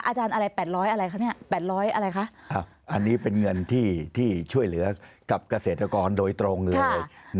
อาจารย์อะไร๘๐๐อะไรคะเนี่ย๘๐๐อะไรคะอันนี้เป็นเงินที่ช่วยเหลือกับเกษตรกรโดยตรงเลย